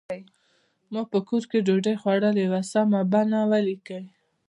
ما په کور کې ډوډۍ خوړلې وه سمه بڼه ولیکئ.